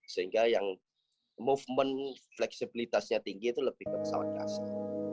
sehingga yang movement fleksibilitasnya tinggi itu lebih ke pesawat kasar